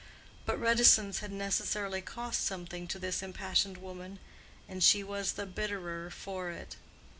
But reticence had necessarily cost something to this impassioned woman, and she was the bitterer for it.